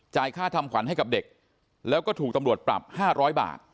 ค่าทำขวัญให้กับเด็กแล้วก็ถูกตำรวจปรับ๕๐๐บาท